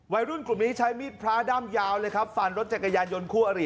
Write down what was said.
วัยรุ่นกลุ่มนี้ใช้มีดพระด้ามยาวเลยครับฟันรถจักรยานยนต์คู่อริ